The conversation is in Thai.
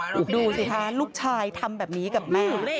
ดูสิคะลูกชายทำแบบนี้กับแม่